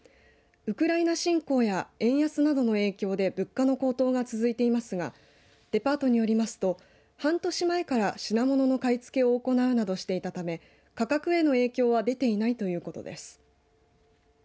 ウクライナ侵攻や円安などの影響で物価の高騰が続いていますがデパートによりますと半年前から品物の買い付けを行うなどしていたため、価格への影響は出ていないということです。